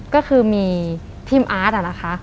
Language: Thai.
ก็คือมีทีมอาร์ตนะคะ